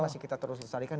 masih kita terus selesaikan